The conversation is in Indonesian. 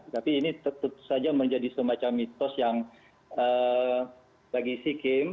tapi ini tetap saja menjadi semacam mitos yang bagi si kim